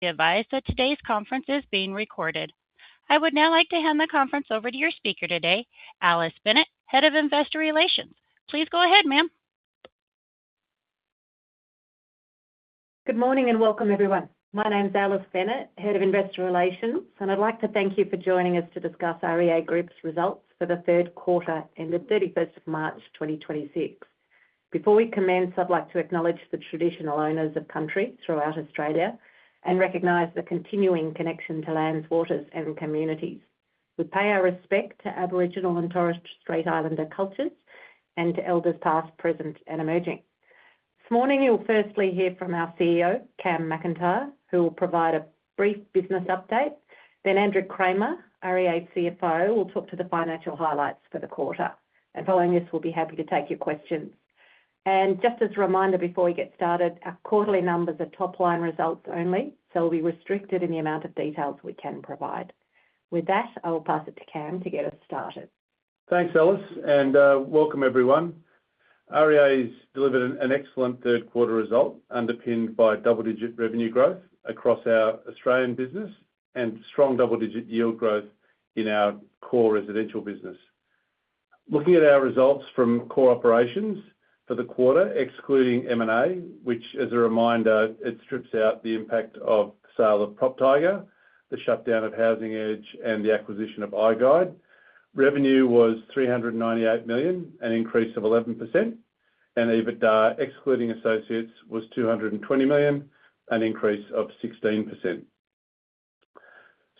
Be advised that today's conference is being recorded. I would now like to hand the conference over to your speaker today, Alice Bennett, Head of Investor Relations. Please go ahead, ma'am. Good morning and welcome, everyone. My name's Alice Bennett, Head of Investor Relations, and I'd like to thank you for joining us to discuss REA Group's results for the third quarter ending 31st of March 2026. Before we commence, I'd like to acknowledge the traditional owners of country throughout Australia and recognize the continuing connection to lands, waters, and communities. We pay our respect to Aboriginal and Torres Strait Islander cultures and to elders past, present, and emerging. This morning, you'll firstly hear from our CEO, Cam McIntyre, who will provide a brief business update. Andrew Cramer, REA CFO, will talk to the financial highlights for the quarter. Following this, we'll be happy to take your questions. Just as a reminder before we get started, our quarterly numbers are top-line results only, so we'll be restricted in the amount of details we can provide. With that, I will pass it to Cam to get us started. Thanks, Alice. Welcome everyone. REA has delivered an excellent third quarter result underpinned by double-digit revenue growth across our Australian business and strong double-digit yield growth in our core residential business. Looking at our results from core operations for the quarter, excluding M&A, which as a reminder, it strips out the impact of sale of PropTiger, the shutdown of Housing Edge, and the acquisition of iGUIDE. Revenue was 398 million, an increase of 11%, and EBITDA, excluding associates, was 220 million, an increase of 16%.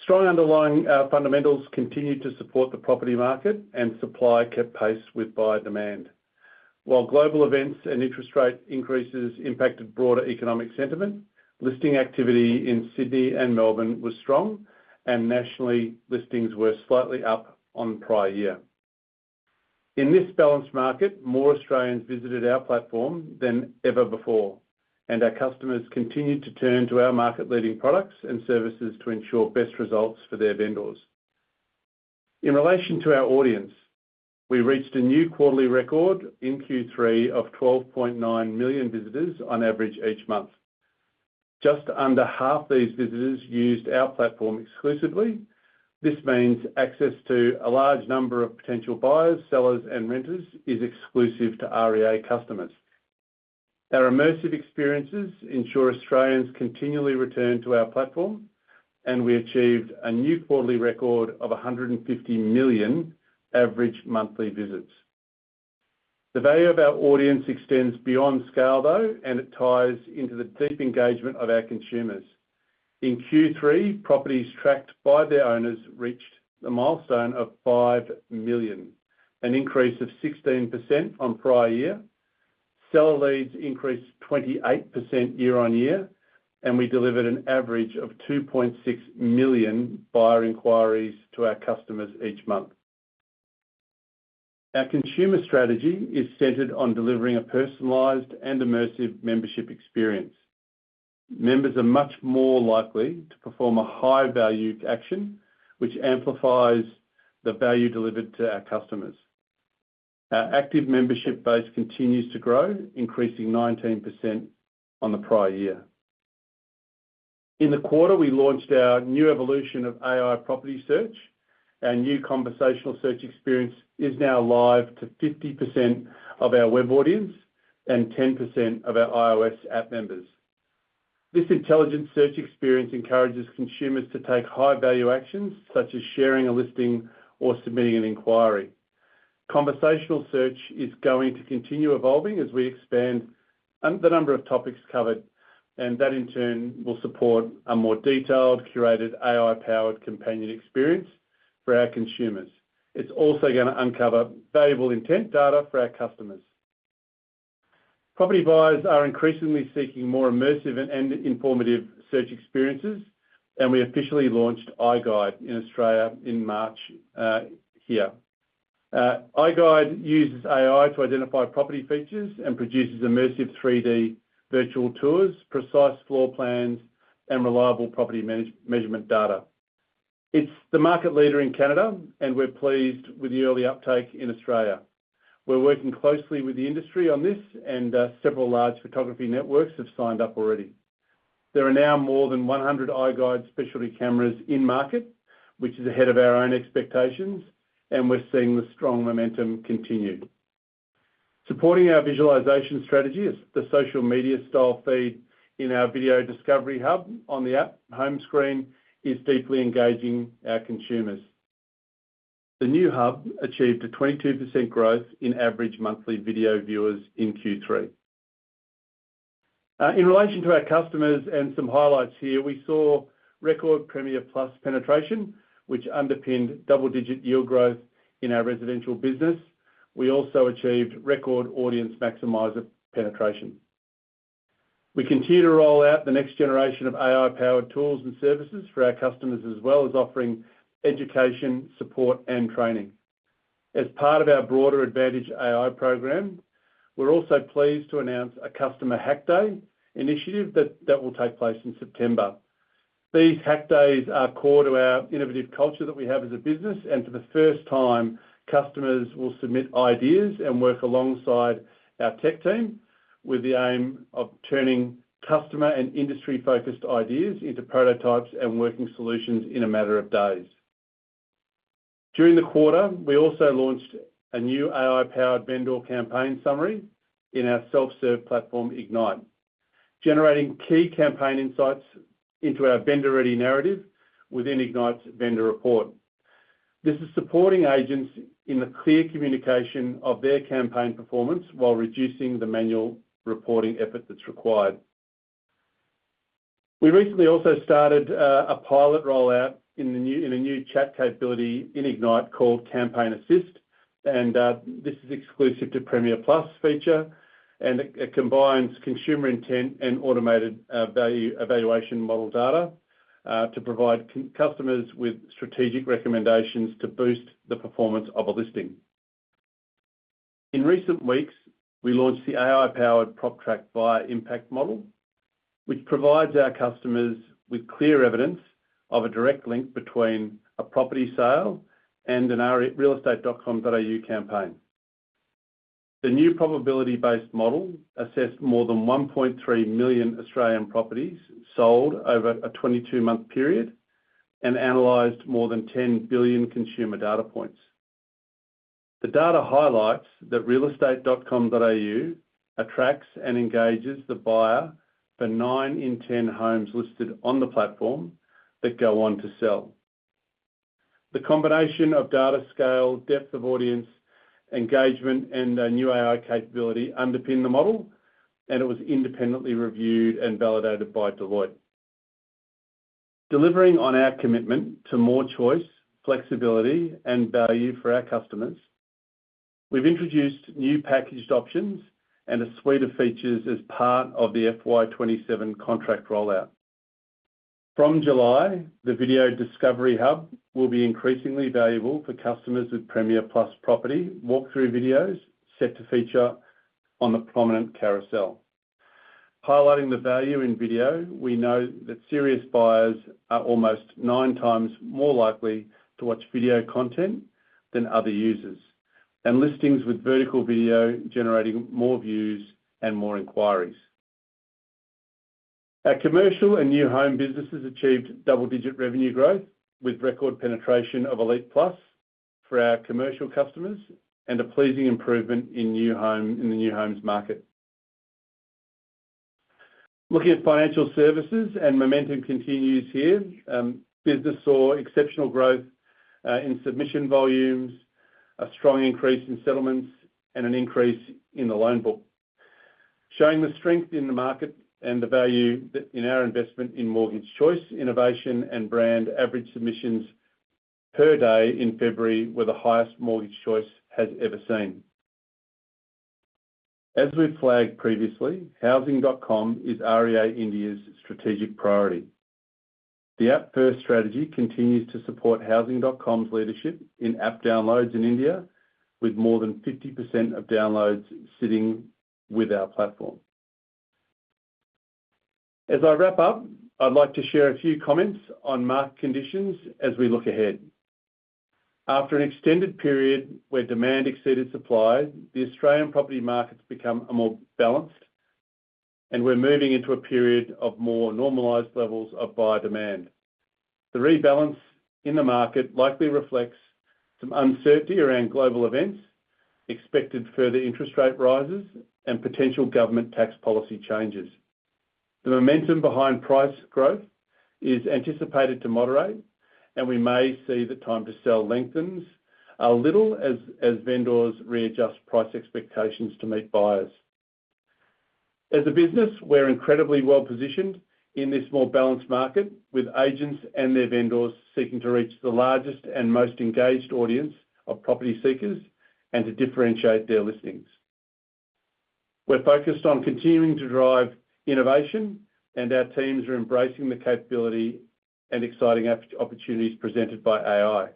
Strong underlying fundamentals continued to support the property market and supply kept pace with buyer demand. While global events and interest rate increases impacted broader economic sentiment, listing activity in Sydney and Melbourne was strong, and nationally, listings were slightly up on prior year. In this balanced market, more Australians visited our platform than ever before, and our customers continued to turn to our market-leading products and services to ensure best results for their vendors. In relation to our audience, we reached a new quarterly record in Q3 of 12.9 million visitors on average each month. Just under half these visitors used our platform exclusively. This means access to a large number of potential buyers, sellers, and renters is exclusive to REA customers. Our immersive experiences ensure Australians continually return to our platform, and we achieved a new quarterly record of 150 million average monthly visits. The value of our audience extends beyond scale, though, and it ties into the deep engagement of our consumers. In Q3, properties tracked by their owners reached the milestone of five million, an increase of 16% on prior year. Seller leads increased 28% year-on-year, and we delivered an average of 2.6 million buyer inquiries to our customers each month. Our consumer strategy is centered on delivering a personalized and immersive membership experience. Members are much more likely to perform a high-value action, which amplifies the value delivered to our customers. Our active membership base continues to grow, increasing 19% on the prior year. In the quarter, we launched our new evolution of AI property search. Our new conversational search experience is now live to 50% of our web audience and 10% of our iOS app members. This intelligent search experience encourages consumers to take high-value actions, such as sharing a listing or submitting an inquiry. Conversational search is going to continue evolving as we expand the number of topics covered, and that in turn will support a more detailed, curated, AI-powered companion experience for our consumers. It's also gonna uncover valuable intent data for our customers. Property buyers are increasingly seeking more immersive and informative search experiences, and we officially launched iGUIDE in Australia in March here. iGUIDE uses AI to identify property features and produces immersive 3D virtual tours, precise floor plans, and reliable property measurement data. It's the market leader in Canada, and we're pleased with the early uptake in Australia. We're working closely with the industry on this, and several large photography networks have signed up already. There are now more than 100 iGUIDE specialty cameras in market, which is ahead of our own expectations, and we're seeing the strong momentum continue. Supporting our visualization strategy is the social media style feed in our Video Discovery Hub on the app home screen is deeply engaging our consumers. The new hub achieved a 22% growth in average monthly video viewers in Q3. In relation to our customers and some highlights here, we saw record Premiere+ penetration, which underpinned double-digit yield growth in our residential business. We also achieved record Audience Maximiser penetration. We continue to roll out the next generation of AI-powered tools and services for our customers, as well as offering education, support, and training. As part of our broader Advantage AI program, we are also pleased to announce a customer hack day initiative that will take place in September. These hack days are core to our innovative culture that we have as a business, and for the first time, customers will submit ideas and work alongside our tech team with the aim of turning customer and industry-focused ideas into prototypes and working solutions in a matter of days. During the quarter, we also launched a new AI-powered vendor campaign summary in our self-serve platform, Ignite, generating key campaign insights into our vendor-ready narrative within Ignite's vendor report. This is supporting agents in the clear communication of their campaign performance while reducing the manual reporting effort that's required. We recently also started a pilot rollout in a new chat capability in Ignite called Campaign Assist, and this is exclusive to Premiere+ feature, and it combines consumer intent and automated evaluation model data to provide customers with strategic recommendations to boost the performance of a listing. In recent weeks, we launched the AI-powered PropTrack Buyer Impact Model, which provides our customers with clear evidence of a direct link between a property sale and a realestate.com.au campaign. The new probability-based model assessed more than 1.3 million Australian properties sold over a 22-month period and analyzed more than 10 billion consumer data points. The data highlights that realestate.com.au attracts and engages the buyer for nine in 10 homes listed on the platform that go on to sell. The combination of data scale, depth of audience engagement and a new AI capability underpin the model. It was independently reviewed and validated by Deloitte. Delivering on our commitment to more choice, flexibility and value for our customers, we've introduced new packaged options and a suite of features as part of the FY 2027 contract rollout. From July, the Video Discovery Hub will be increasingly valuable for customers with Premiere+ property walkthrough videos set to feature on the prominent carousel. Highlighting the value in video, we know that serious buyers are almost 9x more likely to watch video content than other users. Listings with vertical video generating more views and more inquiries. Our commercial and new home businesses achieved double-digit revenue growth with record penetration of Elite Plus for our commercial customers and a pleasing improvement in the new homes market. Looking at financial services and momentum continues here. Business saw exceptional growth in submission volumes, a strong increase in settlements and an increase in the loan book. Showing the strength in the market and the value in our investment in Mortgage Choice, innovation and brand average submissions per day in February were the highest Mortgage Choice has ever seen. As we flagged previously, Housing.com is REA India's strategic priority. The app-first strategy continues to support Housing.com's leadership in app downloads in India, with more than 50% of downloads sitting with our platform. As I wrap up, I'd like to share a few comments on market conditions as we look ahead. After an extended period where demand exceeded supply, the Australian property markets become more balanced, and we're moving into a period of more normalized levels of buyer demand. The rebalance in the market likely reflects some uncertainty around global events, expected further interest rate rises and potential government tax policy changes. The momentum behind price growth is anticipated to moderate, and we may see the time to sell lengthens a little as vendors readjust price expectations to meet buyers. As a business, we're incredibly well-positioned in this more balanced market with agents and their vendors seeking to reach the largest and most engaged audience of property seekers and to differentiate their listings. We're focused on continuing to drive innovation, and our teams are embracing the capability and exciting opportunities presented by AI.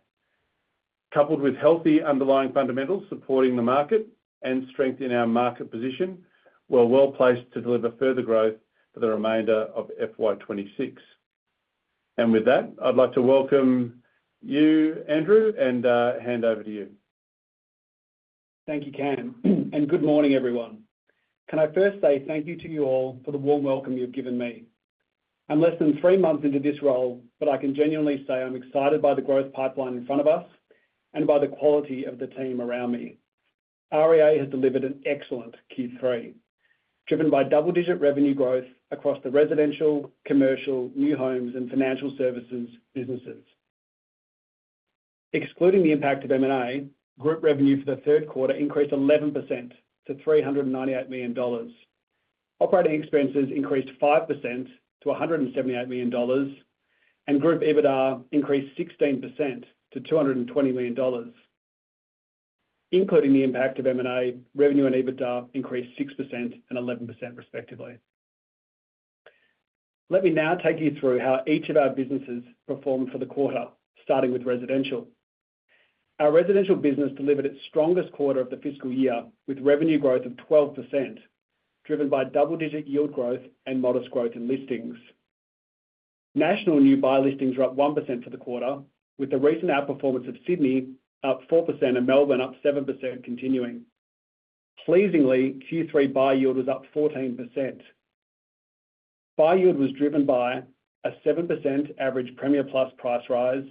Coupled with healthy underlying fundamentals supporting the market and strength in our market position, we're well-placed to deliver further growth for the remainder of FY 2026. With that, I'd like to welcome you, Andrew, and hand over to you. Thank you, Cam. Good morning, everyone. Can I first say thank you to you all for the warm welcome you've given me. I'm less than three months into this role, but I can genuinely say I'm excited by the growth pipeline in front of us and by the quality of the team around me. REA has delivered an excellent Q3, driven by double-digit revenue growth across the residential, commercial, new homes and financial services businesses. Excluding the impact of M&A, group revenue for the third quarter increased 11% to 398 million dollars. Operating expenses increased 5% to 178 million dollars. Group EBITDA increased 16% to 220 million dollars. Including the impact of M&A, revenue and EBITDA increased 6% and 11% respectively. Let me now take you through how each of our businesses performed for the quarter, starting with residential. Our residential business delivered its strongest quarter of the fiscal year, with revenue growth of 12%, driven by double-digit yield growth and modest growth in listings. National new buyer listings were up 1% for the quarter, with the recent outperformance of Sydney up 4% and Melbourne up 7% continuing. Pleasingly, Q3 buy yield was up 14%. Buy yield was driven by a 7% average Premiere+ price rise,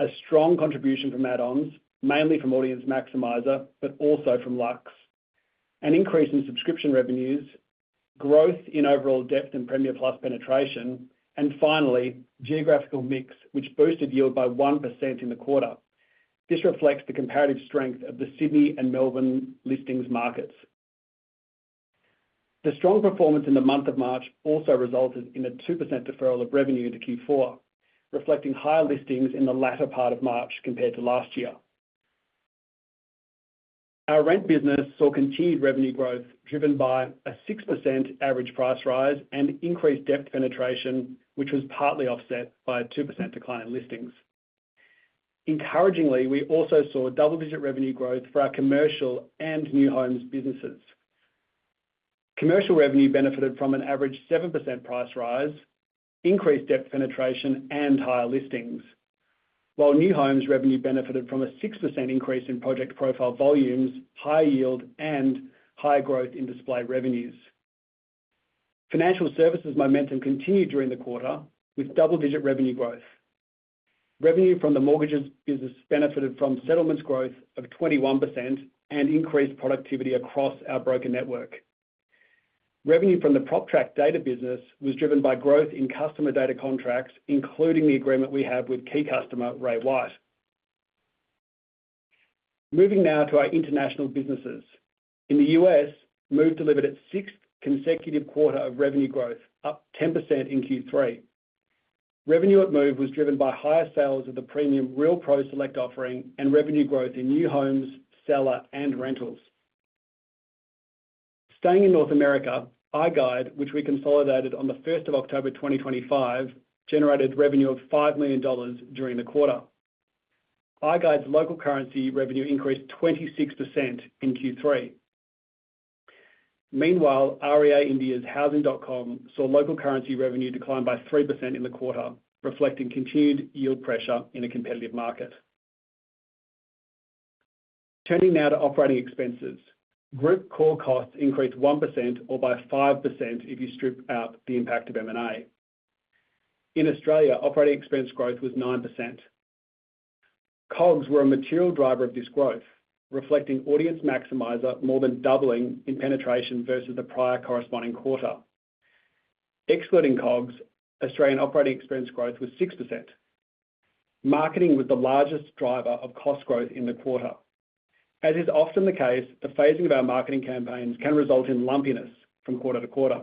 a strong contribution from add-ons, mainly from Audience Maximiser, but also from Luxe, an increase in subscription revenues, growth in overall depth in Premiere+ penetration, and finally, geographical mix, which boosted yield by 1% in the quarter. This reflects the comparative strength of the Sydney and Melbourne listings markets. The strong performance in the month of March also resulted in a 2% deferral of revenue into Q4, reflecting higher listings in the latter part of March compared to last year. Our rent business saw continued revenue growth, driven by a 6% average price rise and increased depth penetration, which was partly offset by a 2% decline in listings. Encouragingly, we also saw double-digit revenue growth for our commercial and new homes businesses. Commercial revenue benefited from an average 7% price rise, increased depth penetration, and higher listings. While new homes revenue benefited from a 6% increase in project profile volumes, higher yield, and higher growth in display revenues. Financial services momentum continued during the quarter with double-digit revenue growth. Revenue from the mortgages business benefited from settlements growth of 21% and increased productivity across our broker network. Revenue from the PropTrack data business was driven by growth in customer data contracts, including the agreement we have with key customer Ray White. Moving now to our international businesses. In the U.S., Move delivered its sixth consecutive quarter of revenue growth, up 10% in Q3. Revenue at Move was driven by higher sales of the premium Real Pro Select offering and revenue growth in new homes, seller, and rentals. Staying in North America, iGUIDE, which we consolidated on the 1st of October 2025, generated revenue of 5 million dollars during the quarter. iGUIDE's local currency revenue increased 26% in Q3. Meanwhile, REA India's Housing.com saw local currency revenue decline by 3% in the quarter, reflecting continued yield pressure in a competitive market. Turning now to operating expenses. Group core costs increased 1% or by 5% if you strip out the impact of M&A. In Australia, operating expense growth was 9%. COGS were a material driver of this growth, reflecting Audience Maximiser more than doubling in penetration versus the prior corresponding quarter. Excluding COGS, Australian operating expense growth was 6%. Marketing was the largest driver of cost growth in the quarter. As is often the case, the phasing of our marketing campaigns can result in lumpiness from quarter-to-quarter.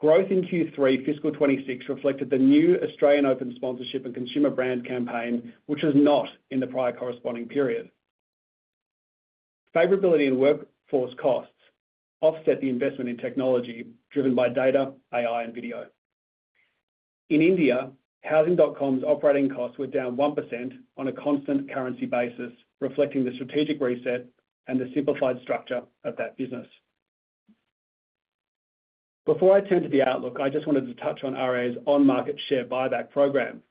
Growth in Q3 fiscal 2026 reflected the new Australian Open sponsorship and consumer brand campaign, which was not in the prior corresponding period. Favorability in workforce costs offset the investment in technology driven by data, AI, and video. In India, Housing.com's operating costs were down 1% on a constant currency basis, reflecting the strategic reset and the simplified structure of that business. Before I turn to the outlook, I just wanted to touch on REA's on-market share buyback program.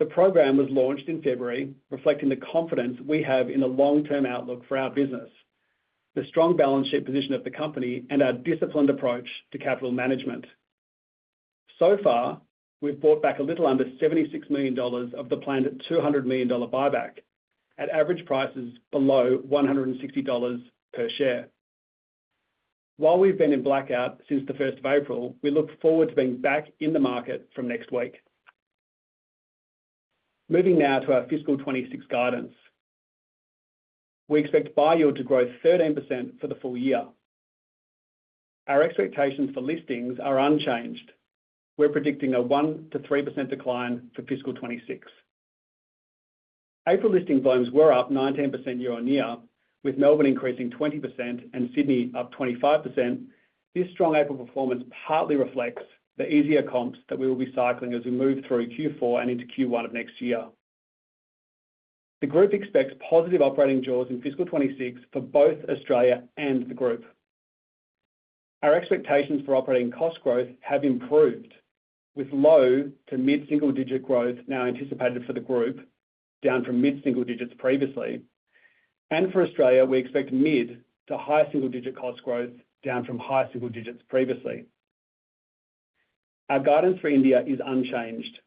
The program was launched in February, reflecting the confidence we have in the long-term outlook for our business, the strong balance sheet position of the company, and our disciplined approach to capital management. So far, we've bought back a little under 76 million dollars of the planned 200 million dollar buyback at average prices below 160 dollars per share. While we've been in blackout since the 1st of April, we look forward to being back in the market from next week. Moving now to our fiscal 2026 guidance. We expect buy yield to grow 13% for the full year. Our expectations for listings are unchanged. We're predicting a 1%-3% decline for fiscal 2026. April listing volumes were up 19% year-on-year, with Melbourne increasing 20% and Sydney up 25%. This strong April performance partly reflects the easier comps that we will be cycling as we move through Q4 and into Q1 of next year. The group expects positive operating jaws in fiscal 2026 for both Australia and the group. Our expectations for operating cost growth have improved, with low to mid-single digit growth now anticipated for the group, down from mid-single digits previously. For Australia, we expect mid to high single digit cost growth, down from high single digits previously. Our guidance for India is unchanged,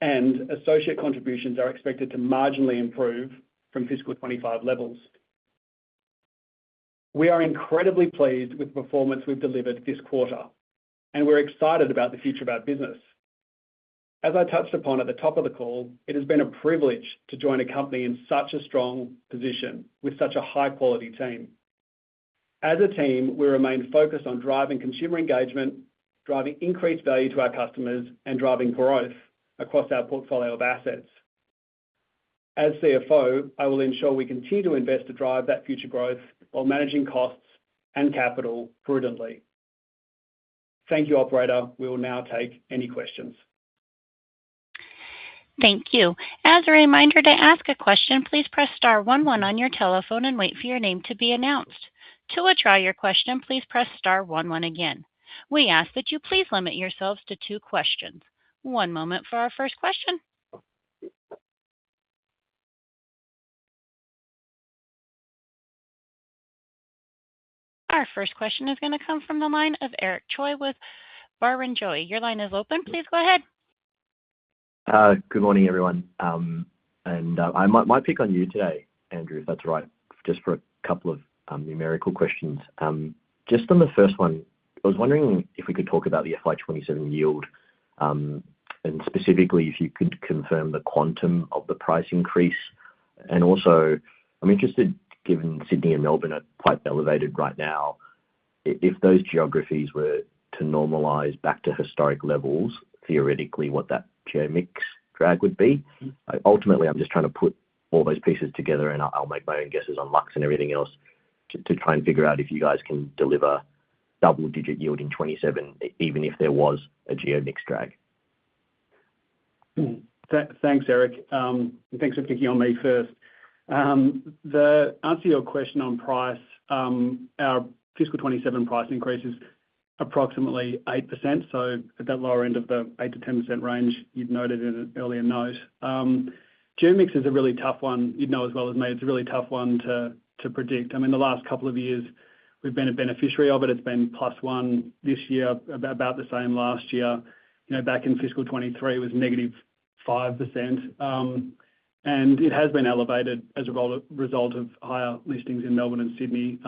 and associate contributions are expected to marginally improve from fiscal 2025 levels. We are incredibly pleased with the performance we've delivered this quarter, and we're excited about the future of our business. As I touched upon at the top of the call, it has been a privilege to join a company in such a strong position with such a high-quality team. As a team, we remain focused on driving consumer engagement, driving increased value to our customers, and driving growth across our portfolio of assets. As CFO, I will ensure we continue to invest to drive that future growth while managing costs and capital prudently. Thank you, operator. We will now take any questions. Thank you. Our first question is gonna come from the line of Eric Choi with Barrenjoey. Good morning, everyone. I might pick on you today, Andrew, if that's all right, just for a couple of numerical questions. Just on the first one, I was wondering if we could talk about the FY 2027 yield, and specifically, if you could confirm the quantum of the price increase. Also, I'm interested, given Sydney and Melbourne are quite elevated right now, if those geographies were to normalize back to historic levels, theoretically, what that geo mix drag would be. Ultimately, I'm just trying to put all those pieces together, and I'll make my own guesses on Luxe and everything else to try and figure out if you guys can deliver double-digit yield in 2027, even if there was a geo mix drag. Thanks, Eric, and thanks for picking on me first. The answer to your question on price, our fiscal 2027 price increase is approximately 8%, so at that lower end of the 8%-10% range you'd noted in an earlier note. Geo mix is a really tough one. You'd know as well as me it's a really tough one to predict. I mean, the last couple of years we've been a beneficiary of it. It's been +1 this year, about the same last year. You know, back in fiscal 2023, it was -5%. It has been elevated as a result of higher listings in Melbourne and Sydney.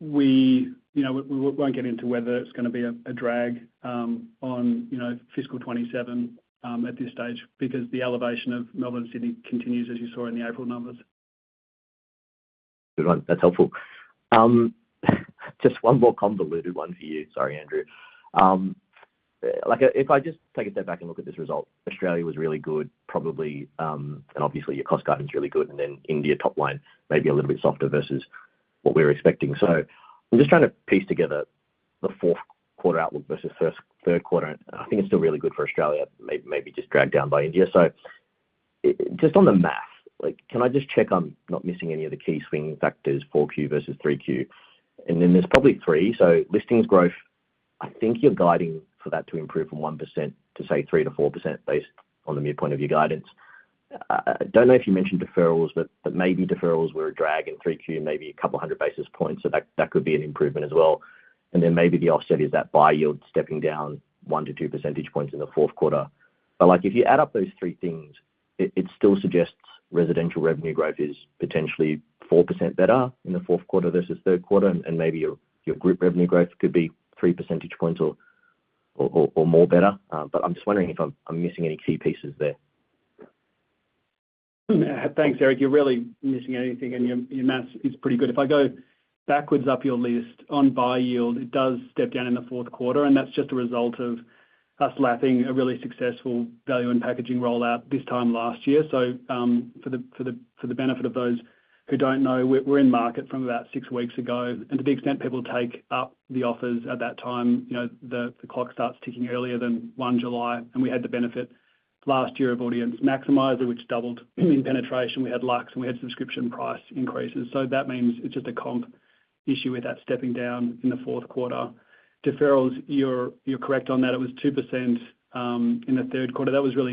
We, you know, we won't get into whether it's gonna be a drag, on, you know, fiscal 2027, at this stage because the elevation of Melbourne and Sydney continues as you saw in the April numbers. Good one. That's helpful. Just one more convoluted one for you. Sorry, Andrew. Like, if I just take a step back and look at this result, Australia was really good probably, and obviously your cost guidance is really good, and then India top line may be a little bit softer versus what we're expecting. I'm just trying to piece together the fourth quarter outlook versus first, third quarter, and I think it's still really good for Australia, maybe just dragged down by India. Just on the math, can I just check I'm not missing any of the key swinging factors, Q4 versus Q3? Then there's probably three. Listings growth, I think you're guiding for that to improve from 1% to, say, 3%-4% based on the midpoint of your guidance. I don't know if you mentioned deferrals, but maybe deferrals were a drag in 3Q, maybe 200 basis points, so that could be an improvement as well. Maybe the offset is that buy yield stepping down 1-2 percentage points in the fourth quarter. If you add up those three things, it still suggests residential revenue growth is potentially 4% better in the fourth quarter versus third quarter, and maybe your group revenue growth could be 3 percentage points or more better. But I'm just wondering if I'm missing any key pieces there. Thanks, Eric. You're really missing anything, and your math is pretty good. If I go backwards up your list, on buy yield, it does step down in the fourth quarter, and that's just a result of us lapping a really successful value and packaging rollout this time last year. For the benefit of those who don't know, we're in market from about six weeks ago, and to the extent people take up the offers at that time, you know, the clock starts ticking earlier than 1 July, and we had the benefit last year of Audience Maximiser, which doubled in penetration. We had Luxe, and we had subscription price increases. That means it's just a comp issue with that stepping down in the fourth quarter. Deferrals, you're correct on that. It was 2%, in the third quarter. That was really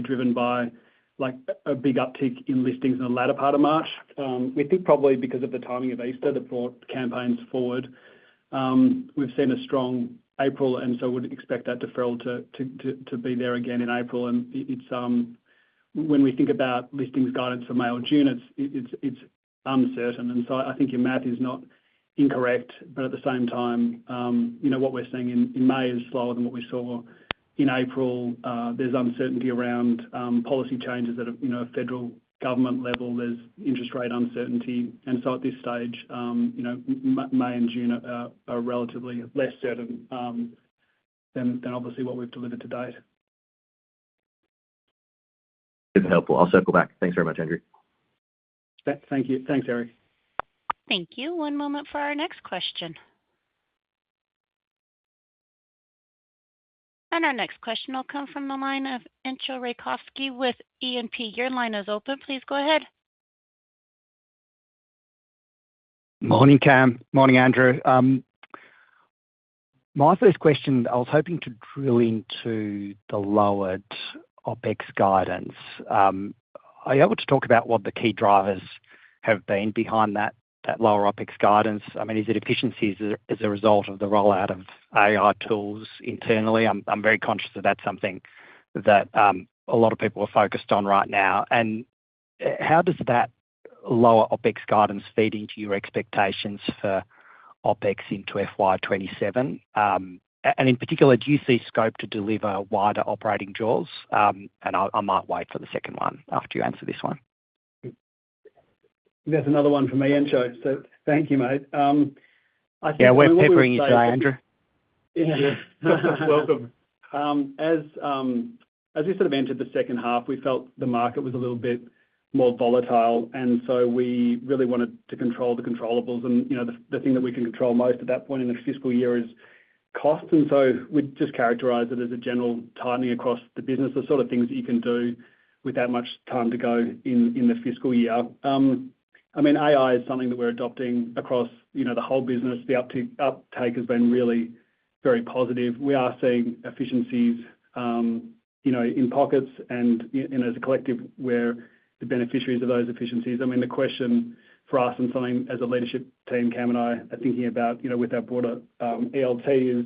driven by a big uptick in listings in the latter part of March. We think probably because of the timing of Easter that brought campaigns forward. We've seen a strong April, would expect that deferral to be there again in April. When we think about listings guidance for May or June, it's uncertain. I think your math is not incorrect, but at the same time, you know, what we're seeing in May is slower than what we saw in April. There's uncertainty around policy changes at a, you know, federal government level. There's interest rate uncertainty. At this stage, you know, May and June are relatively less certain than obviously what we've delivered to date. It's helpful. I'll circle back. Thanks very much, Andrew. Thank you. Thanks, Eric. Thank you. One moment for our next question. Our next question will come from the line of Entcho Raykovski with E&P. Your line is open. Please go ahead. Morning, Cam. Morning, Andrew. My first question, I was hoping to drill into the lowered OpEx guidance. Are you able to talk about what the key drivers have been behind that lower OpEx guidance? I mean, is it efficiencies as a result of the rollout of AI tools internally? I'm very conscious that that's something that a lot of people are focused on right now. How does that lower OpEx guidance feed into your expectations for OpEx into FY 2027? In particular, do you see scope to deliver wider operating jaws? I might wait for the second one after you answer this one. That's another one for me, Entcho, so thank you, mate. Yeah, we're peppering you today, Andrew. Yeah. You're welcome. As you sort of entered the second half, we felt the market was a little bit more volatile. We really wanted to control the controllables. You know, the thing that we can control most at that point in the fiscal year is cost. We'd just characterize it as a general tightening across the business, the sort of things that you can do without much time to go in the fiscal year. I mean, AI is something that we're adopting across, you know, the whole business. The uptake has been very positive. We are seeing efficiencies, you know, in pockets and you know, as a collective, we're the beneficiaries of those efficiencies. I mean, the question for us, and something as a leadership team, Cam and I are thinking about, you know, with our broader ELT is,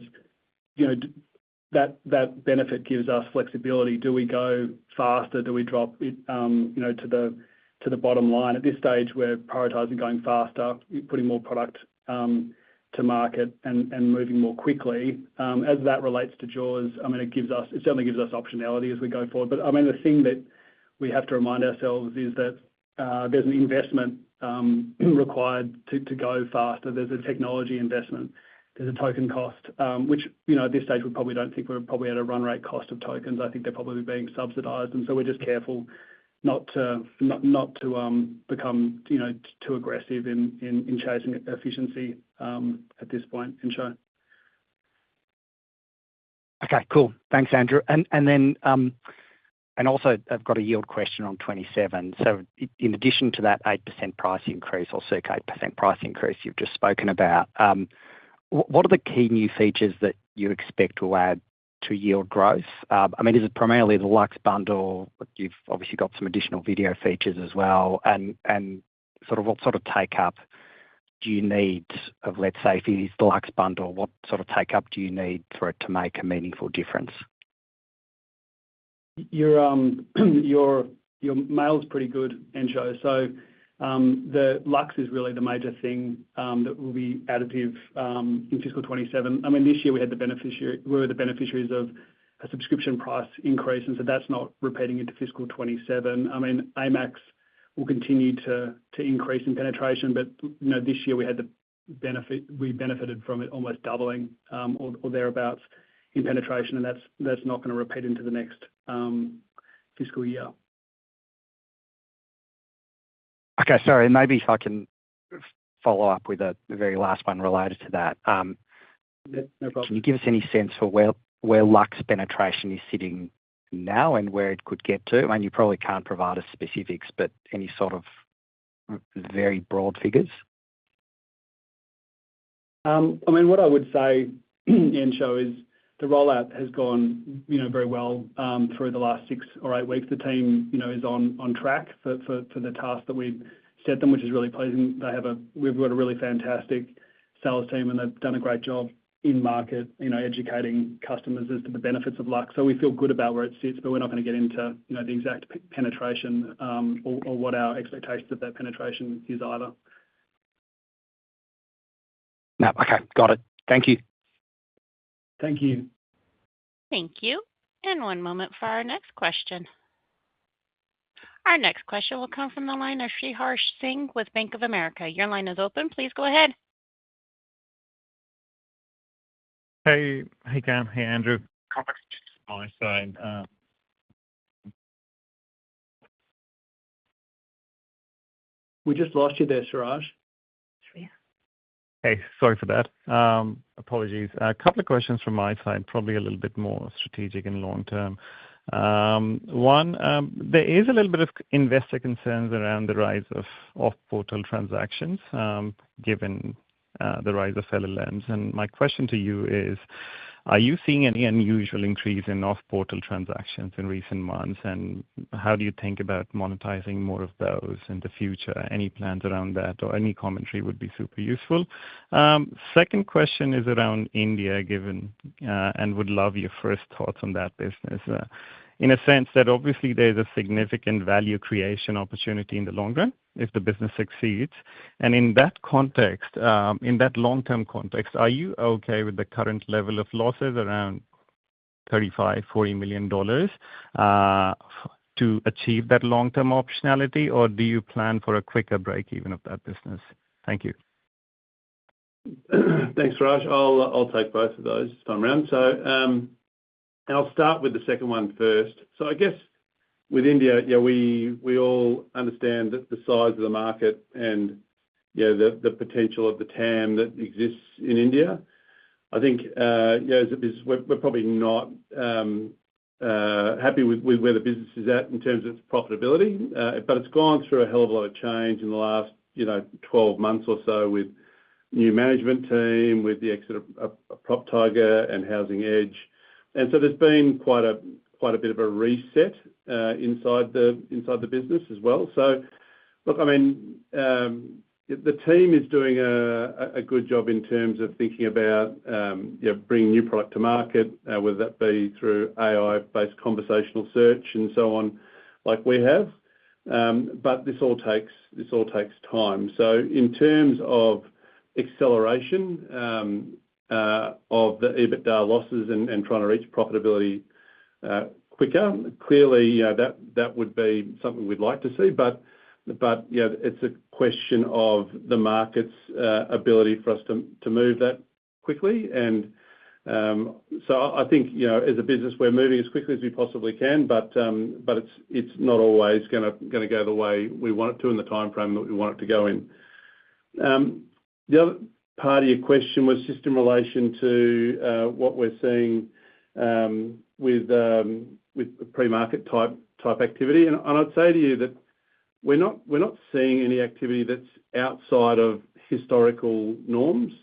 you know, that benefit gives us flexibility. Do we go faster? Do we drop it, you know, to the, to the bottom line? At this stage, we're prioritizing going faster, putting more product to market and moving more quickly. As that relates to jaws, I mean, it certainly gives us optionality as we go forward. I mean, the thing that we have to remind ourselves is that there's an investment required to go faster. There's a technology investment. There's a token cost, which, you know, at this stage, we don't think we're probably at a run rate cost of tokens. I think they're probably being subsidized, and so we're just careful not to become, you know, too aggressive in chasing efficiency at this point in short. Okay, cool. Thanks, Andrew. Then, also I've got a yield question on FY 2027. In addition to that 8% price increase or circa 8% price increase you've just spoken about, what are the key new features that you expect to add to yield growth? I mean, is it primarily the Luxe bundle? You've obviously got some additional video features as well. And sort of what sort of take-up do you need of, let's say if it is the Luxe bundle, what sort of take-up do you need for it to make a meaningful difference? Your mail's pretty good, Entcho. The Luxe is really the major thing that will be additive in fiscal 2027. I mean, this year we were the beneficiaries of a subscription price increase, that's not repeating into fiscal 2027. I mean, AMAX will continue to increase in penetration, but, you know, this year we benefited from it almost doubling or thereabout in penetration, that's not gonna repeat into the next fiscal year. Okay. Sorry. Maybe if I can follow up with the very last one related to that. Yeah, no problem. Can you give us any sense for where Luxe penetration is sitting now and where it could get to? I mean, you probably can't provide us specifics, but any sort of very broad figures. I mean, what I would say, Entcho, is the rollout has gone, you know, very well through the last six or eight weeks. The team, you know, is on track for the task that we've set them, which is really pleasing. We've got a really fantastic sales team, and they've done a great job in market, you know, educating customers as to the benefits of Luxe. We feel good about where it sits, but we're not gonna get into, you know, the exact penetration or what our expectations of that penetration is either. No. Okay. Got it. Thank you. Thank you. Thank you. One moment for our next question. Our next question will come from the line of Sriharsh Singh with Bank of America. Your line is open. Please go ahead. Hey. Hey, Cam. Hey, Andrew. We just lost you there, Sriharsh. Sriharsh. Hey, sorry for that. Apologies. A couple of questions from my side, probably a little bit more strategic and long term. One, there is a little bit of investor concerns around the rise of off-portal transactions, given the rise of fellow lends. My question to you is: Are you seeing any unusual increase in off-portal transactions in recent months? How do you think about monetizing more of those in the future? Any plans around that or any commentary would be super useful. Second question is around India, given and would love your first thoughts on that business. In a sense that obviously there's a significant value creation opportunity in the long run if the business succeeds. In that context, in that long-term context, are you okay with the current level of losses around 35 million-40 million dollars, to achieve that long-term optionality? Do you plan for a quicker break even of that business? Thank you. Thanks, Sriharsh. I'll take both of those this time around. I'll start with the second one first. I guess with India, yeah, we all understand the size of the market and, you know, the potential of the TAM that exists in India. I think, you know, as a business, we're probably not happy with where the business is at in terms of its profitability. It's gone through a hell of a lot of change in the last, you know, 12 months or so with new management team, with the exit of PropTiger and Housing Edge. There's been quite a bit of a reset inside the business as well. Look, I mean, the team is doing a good job in terms of thinking about, you know, bringing new product to market, whether that be through AI-based conversational search and so on like we have. This all takes time. In terms of acceleration of the EBITDA losses and trying to reach profitability quicker, clearly, you know, that would be something we'd like to see. You know, it's a question of the market's ability for us to move that quickly. I think, you know, as a business, we're moving as quickly as we possibly can, but it's not always gonna go the way we want it to in the timeframe that we want it to go in. The other part of your question was just in relation to what we're seeing with the pre-market type activity. We're not seeing any activity that's outside of historical norms.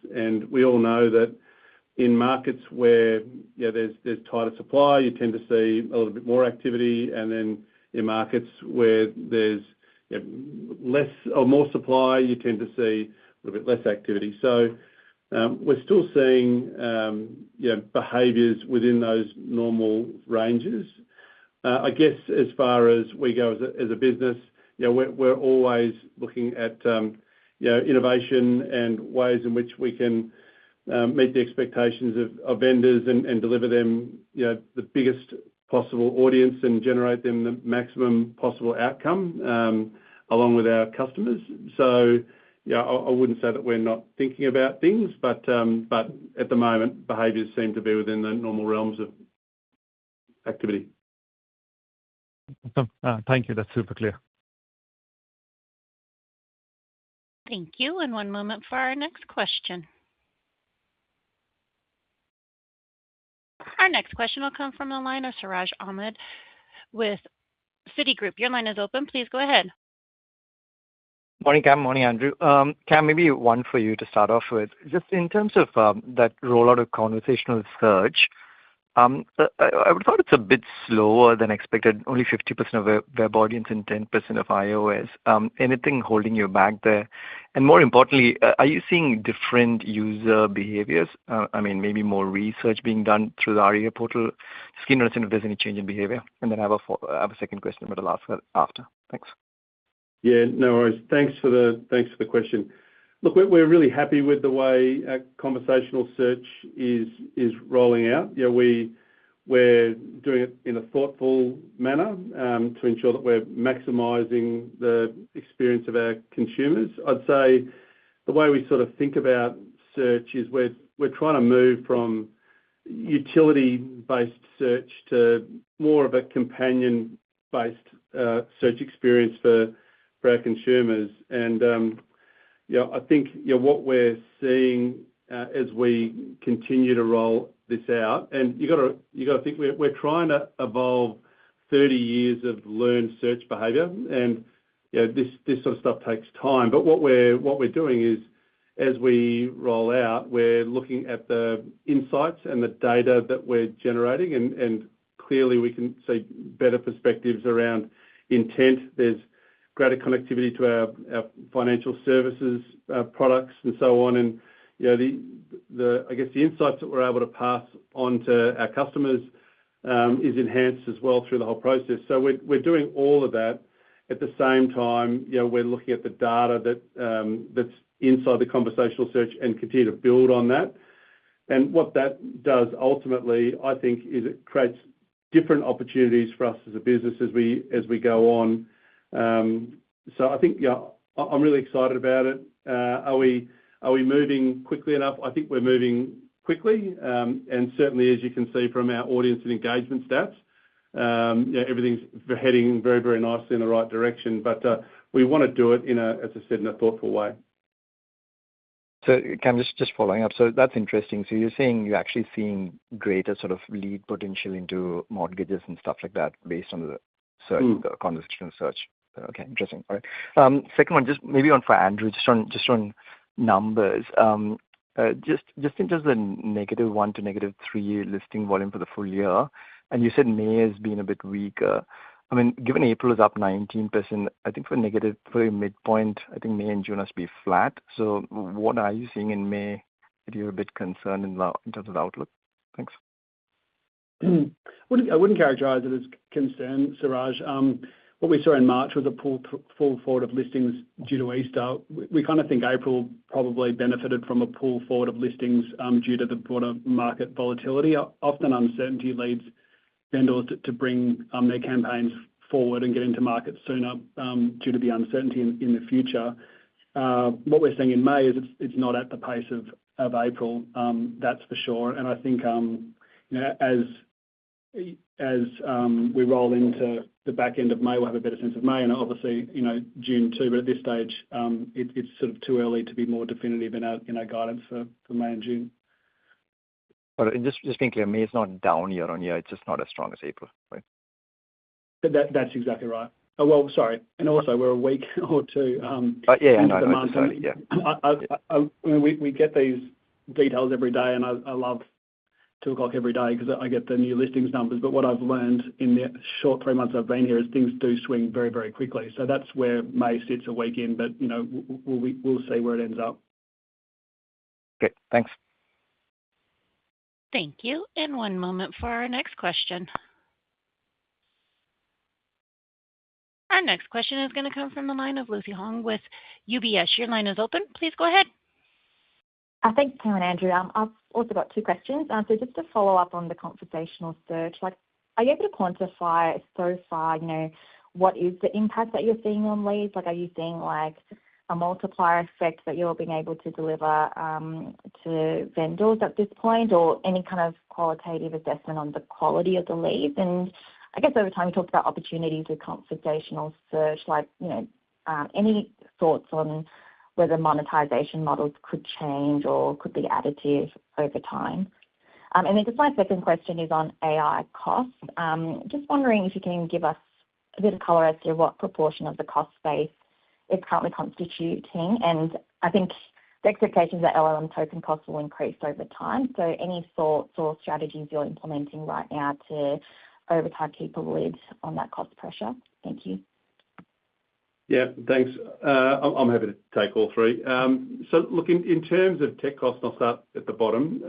We all know that in markets where, you know, there's tighter supply, you tend to see a little bit more activity. In markets where there's, you know, less or more supply, you tend to see a little bit less activity. We're still seeing, you know, behaviors within those normal ranges. I guess as far as we go as a business, you know, we're always looking at, you know, innovation and ways in which we can meet the expectations of vendors and deliver them, you know, the biggest possible audience and generate them the maximum possible outcome along with our customers. Yeah, I wouldn't say that we're not thinking about things, but at the moment, behaviors seem to be within the normal realms of activity. Awesome. Thank you. That's super clear. Thank you. One moment for our next question. Our next question will come from the line of Siraj Ahmed with Citigroup. Your line is open. Please go ahead. Morning, Cam. Morning, Andrew. Cam, maybe one for you to start off with. Just in terms of that rollout of conversational search, I would thought it's a bit slower than expected, only 50% of web audience and 10% of iOS. Anything holding you back there? More importantly, are you seeing different user behaviors, I mean, maybe more research being done through the REA portal? Just keen to understand if there's any change in behavior. I have a second question, but I'll ask that after. Thanks. Yeah, no worries. Thanks for the question. Look, we're really happy with the way our conversational search is rolling out. You know, we're doing it in a thoughtful manner to ensure that we're maximizing the experience of our consumers. I'd say the way we sort of think about search is we're trying to move from utility-based search to more of a companion-based search experience for our consumers. You know, I think, you know, what we're seeing as we continue to roll this out, you gotta think we're trying to evolve 30 years of learned search behavior and, you know, this sort of stuff takes time. What we're doing is, as we roll out, we're looking at the insights and the data that we're generating and clearly we can see better perspectives around intent. There's greater connectivity to our financial services products and so on. You know, the I guess the insights that we're able to pass on to our customers is enhanced as well through the whole process. We're doing all of that. At the same time, you know, we're looking at the data that's inside the conversational search and continue to build on that. What that does ultimately, I think, is it creates different opportunities for us as a business as we go on. I think, yeah, I'm really excited about it. Are we moving quickly enough? I think we're moving quickly. Certainly, as you can see from our audience and engagement stats, you know, everything's heading very, very nicely in the right direction. We wanna do it in a, as I said, in a thoughtful way. Cam, just following up. That's interesting. You're saying you're actually seeing greater sort of lead potential into mortgages and stuff like that based on the conversational search? Okay. Interesting. All right. Second one, just maybe one for Andrew, just on numbers. In terms of the negative one to negative three-year listing volume for the full year, and you said May has been a bit weaker. I mean, given April is up 19%, I think for negative full year midpoint, I think May and June must be flat. What are you seeing in May? Are you a bit concerned in terms of outlook? Thanks. I wouldn't characterize it as concern, Siraj. What we saw in March was a pull forward of listings due to Easter. We kinda think April probably benefited from a pull forward of listings due to the broader market volatility. Often uncertainty leads vendors to bring their campaigns forward and get into market sooner due to the uncertainty in the future. What we're seeing in May is it's not at the pace of April. That's for sure. I think, you know, as we roll into the back end of May, we'll have a better sense of May and obviously, you know, June too. At this stage, it's sort of too early to be more definitive in our guidance for May and June. Got it. Just being clear, May is not down year-over-year, it's just not as strong as April, right? That's exactly right. Well, sorry, also we're a week or two. Yeah, no, that's what I'm saying. Yeah. Into the month. I, we get these details every day, and I love 2:00 every day 'cause I get the new listings numbers. What I've learned in the short three months I've been here is things do swing very, very quickly. That's where May sits a week in. You know, we'll see where it ends up. Okay, thanks. Thank you. One moment for our next question. Our next question is gonna come from the line of Lucy Huang with UBS. Your line is open. Please go ahead. Thanks, Cameron and Andrew. I've also got two questions. Just to follow up on the conversational search, like are you able to quantify so far, you know, what is the impact that you're seeing on leads? Are you seeing like a multiplier effect that you're being able to deliver to vendors at this point, or any kind of qualitative assessment on the quality of the leads? I guess over time, you talked about opportunities with conversational search, like, you know, any thoughts on whether monetization models could change or could be additive over time? Just my second question is on AI costs. Just wondering if you can give us a bit of color as to what proportion of the cost base is currently constituting. I think the expectations are LLM token costs will increase over time. Any thoughts or strategies you're implementing right now to over time keep a lid on that cost pressure? Thank you. Thanks. I'm happy to take all three. Look, in terms of tech costs, and I'll start at the bottom.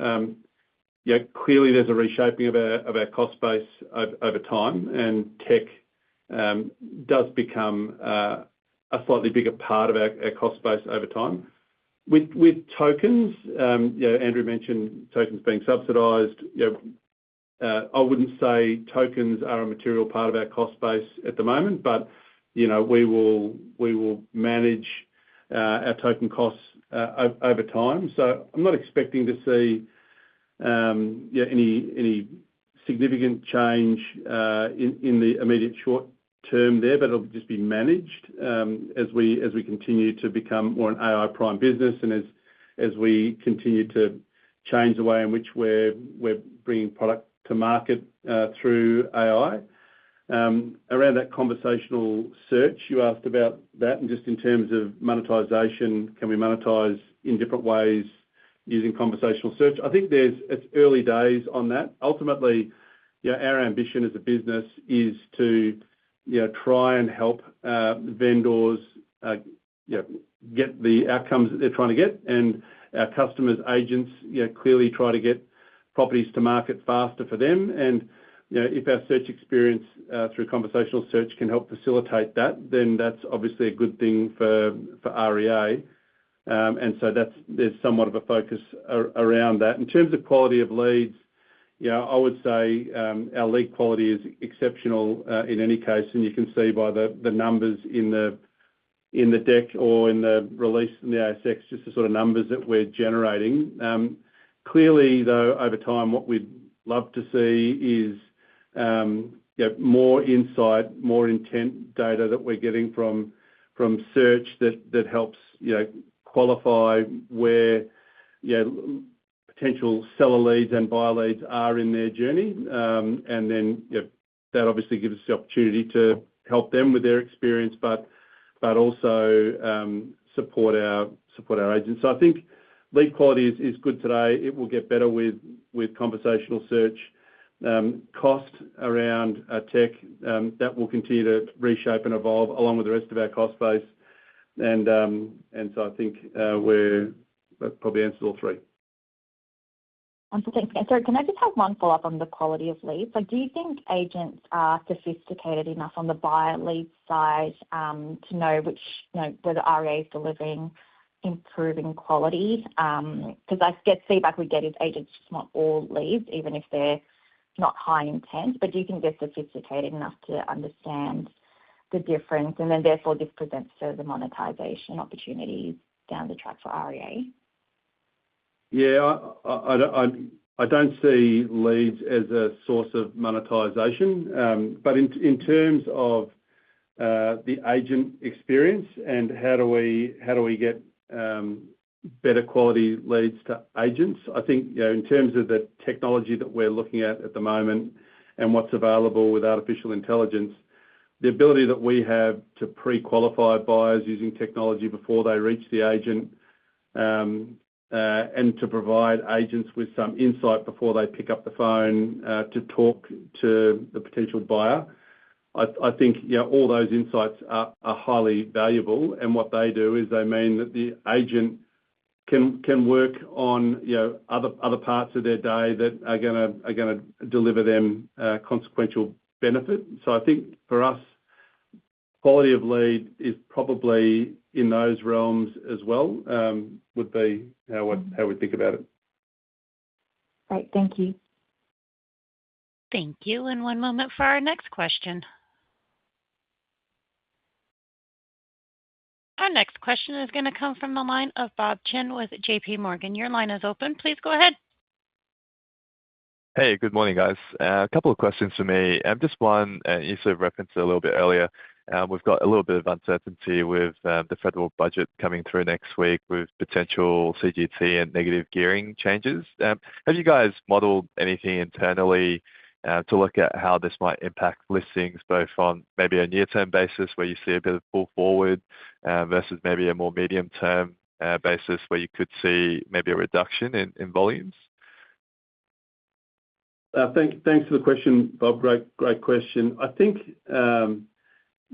Clearly there's a reshaping of our cost base over time, and tech does become a slightly bigger part of our cost base over time. With tokens, you know, Andrew mentioned tokens being subsidized. You know, I wouldn't say tokens are a material part of our cost base at the moment, but, you know, we will manage our token costs over time. I'm not expecting to see any significant change in the immediate short term there, but it'll just be managed as we continue to become more an AI-prime business and as we continue to change the way in which we're bringing product to market through AI. Around that conversational search, you asked about that, and just in terms of monetization, can we monetize in different ways using conversational search? It's early days on that. Ultimately, you know, our ambition as a business is to, you know, try and help vendors, you know, get the outcomes that they're trying to get, and our customers' agents, you know, clearly try to get properties to market faster for them. You know, if our search experience through conversational search can help facilitate that, then that's obviously a good thing for REA. That's there's somewhat of a focus around that. In terms of quality of leads, you know, I would say, our lead quality is exceptional in any case, and you can see by the numbers in the deck or in the release in the ASX, just the sort of numbers that we're generating. Clearly though, over time, what we'd love to see is, you know, more insight, more intent data that we're getting from search that helps, you know, qualify where, you know, potential seller leads and buyer leads are in their journey. You know, that obviously gives us the opportunity to help them with their experience, but also support our agents. I think lead quality is good today. It will get better with conversational search. Cost around tech, that will continue to reshape and evolve along with the rest of our cost base. I think that probably answers all three. Thanks again. Sorry, can I just have one follow-up on the quality of leads? Like, do you think agents are sophisticated enough on the buyer lead side, to know which, you know, whether REA is delivering improving quality? 'Cause I guess feedback we get is agents just want all leads, even if they're not high intent. Do you think they're sophisticated enough to understand the difference and then therefore this presents further monetization opportunities down the track for REA? Yeah. I don't see leads as a source of monetization. In terms of the agent experience and how do we get better quality leads to agents, I think, you know, in terms of the technology that we're looking at at the moment and what's available with artificial intelligence, the ability that we have to pre-qualify buyers using technology before they reach the agent and to provide agents with some insight before they pick up the phone to talk to the potential buyer, I think, you know, all those insights are highly valuable. What they do is they mean that the agent can work on, you know, other parts of their day that are gonna deliver them consequential benefit. I think for us, quality of lead is probably in those realms as well, would be how we think about it. Great. Thank you. Thank you. One moment for our next question. Our next question is going to come from the line of Bob Chen with JPMorgan. Your line is open. Please go ahead. Hey, good morning, guys. A couple of questions from me. Just one, you sort of referenced it a little bit earlier. We've got a little bit of uncertainty with the federal budget coming through next week with potential CGT and negative gearing changes. Have you guys modeled anything internally to look at how this might impact listings, both on maybe a near-term basis, where you see a bit of pull forward, versus maybe a more medium-term basis, where you could see maybe a reduction in volumes? Thanks for the question, Bob. Great question. I think, you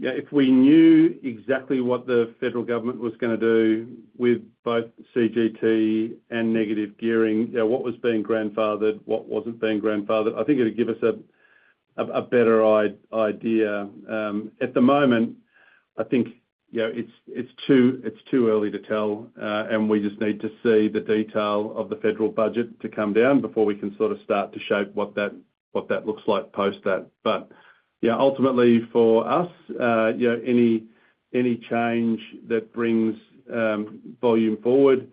know, if we knew exactly what the federal government was gonna do with both CGT and negative gearing, you know, what was being grandfathered, what wasn't being grandfathered, I think it'd give us a better idea. At the moment, I think, you know, it's too early to tell, we just need to see the detail of the federal budget to come down before we can sort of start to shape what that looks like post that. Yeah, ultimately for us, you know, any change that brings volume forward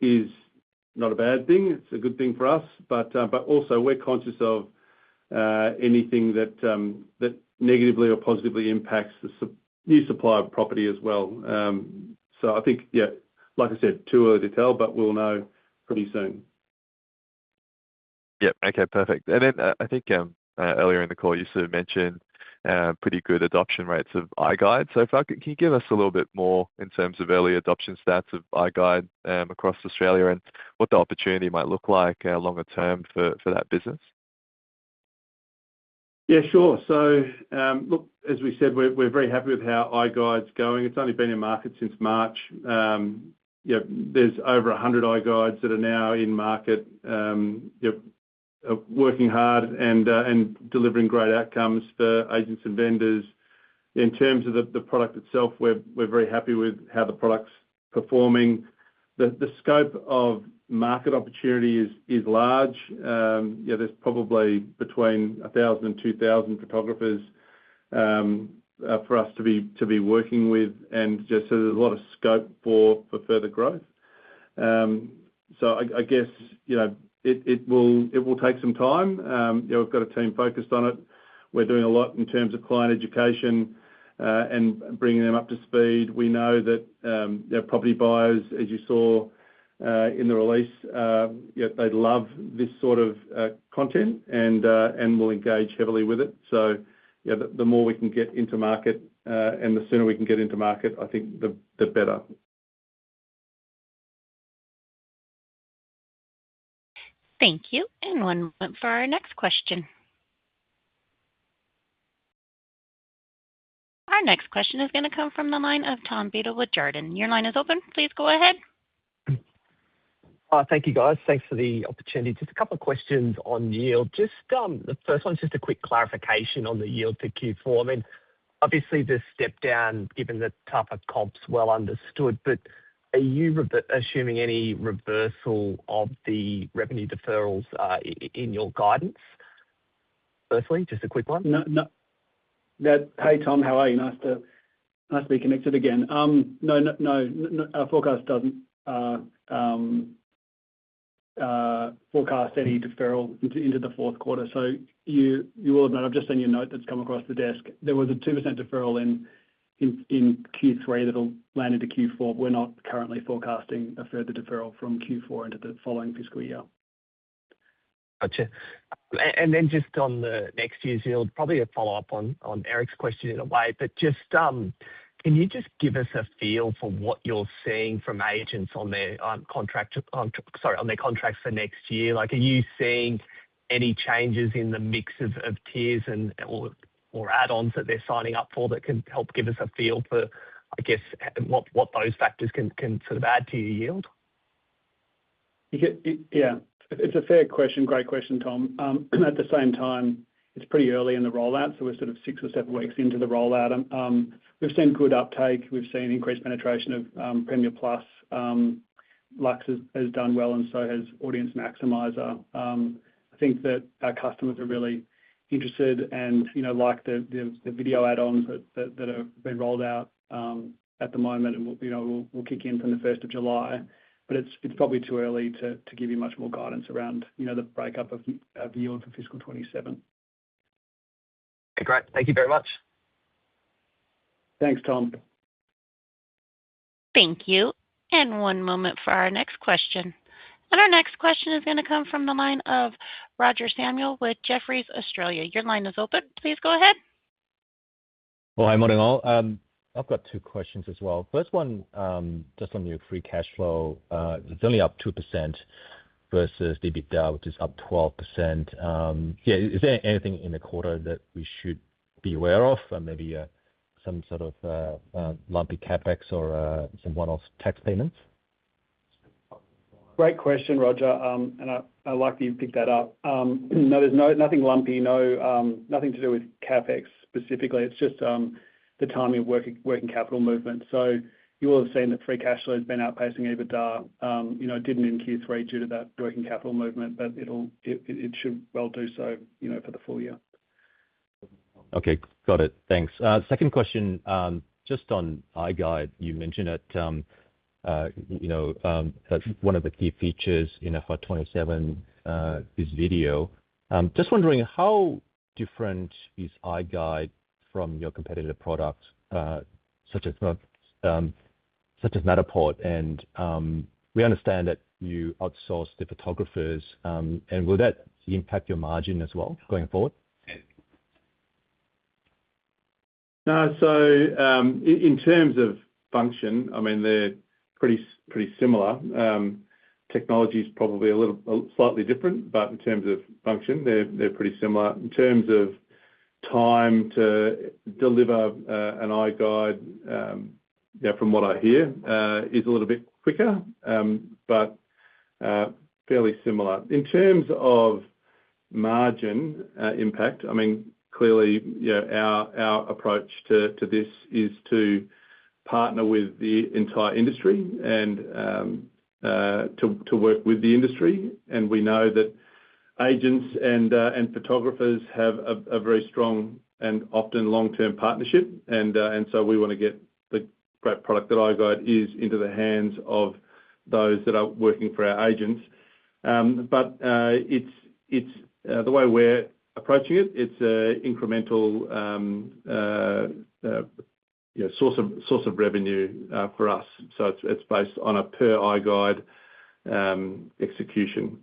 is not a bad thing. It's a good thing for us. Also, we're conscious of anything that negatively or positively impacts the new supply of property as well. I think, yeah, like I said, too early to tell, but we'll know pretty soon. Yep. Okay, perfect. I think earlier in the call you sort of mentioned pretty good adoption rates of iGUIDE. Can you give us a little bit more in terms of early adoption stats of iGUIDE across Australia and what the opportunity might look like longer term for that business? Yeah, sure. Look, as we said, we're very happy with how iGUIDE's going. It's only been in market since March. You know, there's over 100 iGUIDEs that are now in market, you know, working hard and delivering great outcomes for agents and vendors. In terms of the product itself, we're very happy with how the product's performing. The scope of market opportunity is large. You know, there's probably between 1,000-2,000 photographers for us to be working with and there's a lot of scope for further growth. I guess, you know, it will take some time. You know, we've got a team focused on it. We're doing a lot in terms of client education, and bringing them up to speed. We know that, you know, property buyers, as you saw, in the release, you know, they love this sort of content and will engage heavily with it. You know, the more we can get into market, and the sooner we can get into market, I think the better. Thank you. One moment for our next question. Our next question is gonna come from the line of Tom Beadle with Jarden. Your line is open. Please go ahead. Thank you, guys. Thanks for the opportunity. Just a couple of questions on yield. The first one's just a quick clarification on the yield for Q4. I mean, obviously, the step down given the tougher comps, well understood, but are you assuming any reversal of the revenue deferrals in your guidance? Firstly, just a quick one. No. Hey, Tom. How are you? Nice to be connected again. No, our forecast doesn't forecast any deferral into the fourth quarter. You will have known, I've just seen your note that's come across the desk. There was a 2% deferral in Q3 that'll land into Q4. We're not currently forecasting a further deferral from Q4 into the following fiscal year. Gotcha. Then just on the next year's yield, probably a follow-up on Eric's question in a way, but just, can you just give us a feel for what you're seeing from agents on their contracts for next year? Like, are you seeing any changes in the mix of tiers and/or add-ons that they're signing up for that can help give us a feel for, I guess, what those factors can sort of add to your yield? Yeah. It's a fair question. Great question, Tom. At the same time, it's pretty early in the rollout, so we're sort of six or seven weeks into the rollout. We've seen good uptake. We've seen increased penetration of Premiere+. Luxe has done well and so has Audience Maximiser. I think that our customers are really interested and, you know, like the video add-ons that have been rolled out at the moment and will, you know, will kick in from the 1st of July. It's probably too early to give you much more guidance around, you know, the breakup of yield for fiscal 2027. Okay, great. Thank you very much. Thanks, Tom. Thank you. One moment for our next question. Our next question is gonna come from the line of Roger Samuel with Jefferies Australia. Your line is open. Please go ahead. Well, hi, morning all. I've got two questions as well. First one, just on your free cash flow. It's only up 2% versus EBITDA, which is up 12%. Is there anything in the quarter that we should be aware of? Maybe, some sort of, lumpy CapEx or, some one-off tax payments? Great question, Roger. And I like that you've picked that up. No, there's nothing lumpy, no, nothing to do with CapEx specifically. It's just, the timing of working capital movement. You will have seen that free cash flow has been outpacing EBITDA. You know, it didn't in Q3 due to that working capital movement, but it'll it should well do so, you know, for the full year. Okay. Got it. Thanks. Second question, just on iGUIDE. You mentioned it, you know, as one of the key features in for FY 2027, is video. Just wondering how different is iGUIDE from your competitive products, such as Matterport? We understand that you outsource the photographers, and will that impact your margin as well going forward? No. In terms of function, I mean, they're pretty similar. Technology's probably a little slightly different, but in terms of function, they're pretty similar. In terms of time to deliver an iGUIDE, you know, from what I hear, is a little bit quicker, but fairly similar. In terms of margin impact, clearly, our approach to this is to partner with the entire industry and to work with the industry. We know that agents and photographers have a very strong and often long-term partnership. We wanna get the great product that iGUIDE is into the hands of those that are working for our agents. It's the way we're approaching it's incremental source of revenue for us. It's based on a per iGUIDE execution.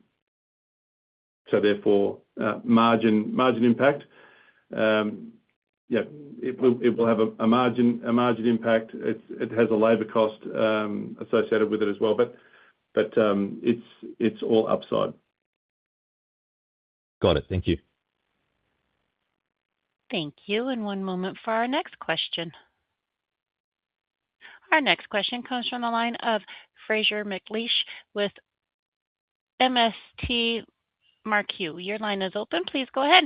Margin impact. It will have a margin impact. It has a labor cost associated with it as well. It's all upside. Got it. Thank you. Thank you. One moment for our next question. Our next question comes from the line of Fraser McLeish with MST Marquee. Your line is open. Please go ahead.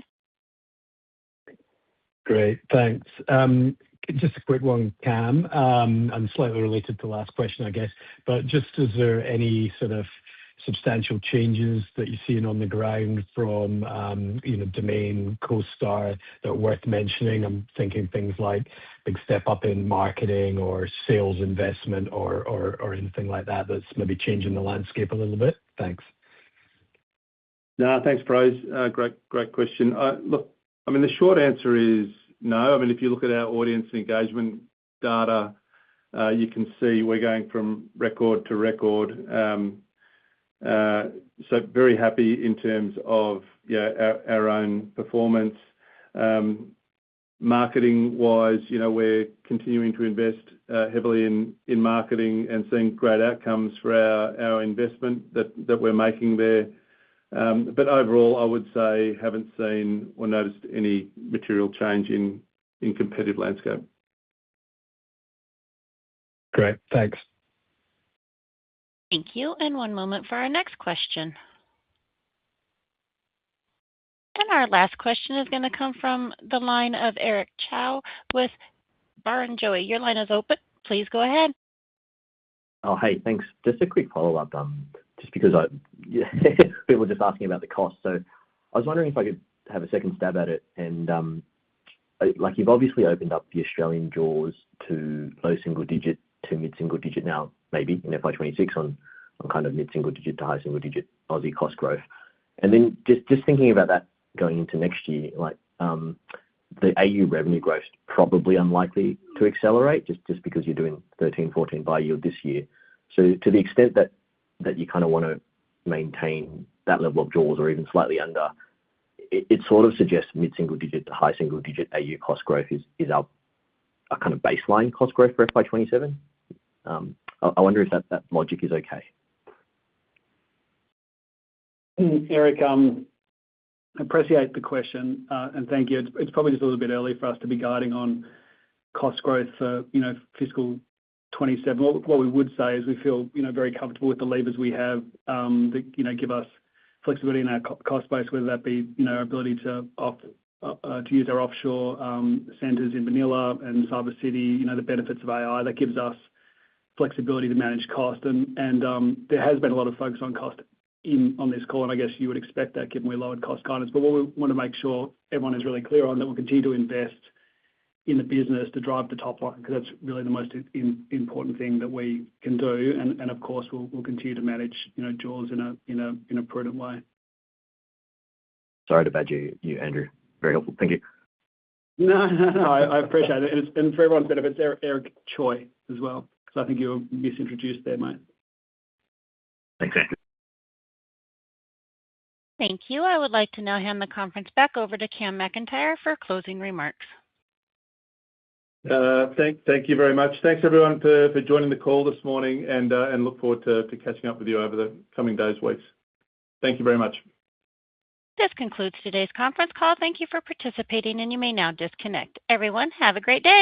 Great. Thanks. Just a quick one, Cam. Slightly related to the last question, I guess. Just is there any sort of substantial changes that you're seeing on the ground from, you know, Domain, CoStar that are worth mentioning? I'm thinking things like big step up in marketing or sales investment or anything like that that's maybe changing the landscape a little bit. Thanks. No, thanks, Fras. Great question. Look, I mean, the short answer is no. I mean, if you look at our audience engagement data, you can see we're going from record to record. Very happy in terms of, you know, our own performance. Marketing-wise, you know, we're continuing to invest heavily in marketing and seeing great outcomes for our investment that we're making there. Overall, I would say haven't seen or noticed any material change in competitive landscape. Great. Thanks. Thank you. One moment for our next question. Our last question is going to come from the line of Eric Choi with Barrenjoey. Your line is open. Please go ahead. Oh, hey, thanks. Just because I people just asking about the cost. I was wondering if I could have a second stab at it and, like, you've obviously opened up the Australian jaws to low single digit to mid single digit now, maybe in FY 2026 on kind of mid single digit to high single digit AUD cost growth. Just thinking about that going into next year, like, the AU revenue growth is probably unlikely to accelerate, just because you're doing 13, 14 buy yield this year. To the extent that you kinda wanna maintain that level of jaws or even slightly under, it sort of suggests mid single digit to high single digit AU cost growth is our kind of baseline cost growth for FY 2027. I wonder if that logic is okay. Eric, appreciate the question, thank you. It's probably just a little bit early for us to be guiding on cost growth for, you know, fiscal 2027. What we would say is we feel, you know, very comfortable with the levers we have, that, you know, give us flexibility in our cost base, whether that be, you know, our ability to use our offshore centers in Manila and Cyber City, you know, the benefits of AI that gives us flexibility to manage cost. There has been a lot of focus on cost on this call, I guess you would expect that given we lowered cost guidance. What we wanna make sure everyone is really clear on, that we'll continue to invest in the business to drive the top line 'cause that's really the most important thing that we can do. Of course, we'll continue to manage, you know, jaws in a prudent way. Sorry to badger you, Andrew. Very helpful. Thank you. No, no. I appreciate it. For everyone's benefit, it's Eric Choi as well, 'cause I think you were misintroduced there, mate. Thanks, Andrew. Thank you. I would like to now hand the conference back over to Cameron McIntyre for closing remarks. Thank you very much. Thanks everyone for joining the call this morning and look forward to catching up with you over the coming days, weeks. Thank you very much. This concludes today's conference call. Thank you for participating, and you may now disconnect. Everyone, have a great day.